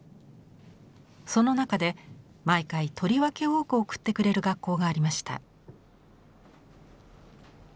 その中で毎回とりわけ多く送ってくれる学校がありました。